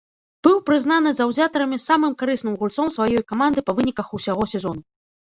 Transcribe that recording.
Быў прызнаны заўзятарамі самым карысным гульцом сваёй каманды па выніках усяго сезону.